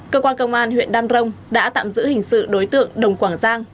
cơ quan công an huyện đam rồng đã tạm giữ hình sự đối tượng đồng quảng giang